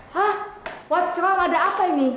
hah what's wrong ada apa ini